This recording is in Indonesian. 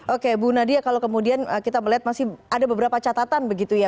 oke bu nadia kalau kemudian kita melihat masih ada beberapa catatan begitu ya